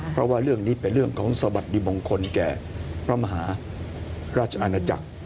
เพราะว่าเรื่องนี้เป็นเรื่องของสวัสดิมงคลแก่พระมหาราชอาณาจักร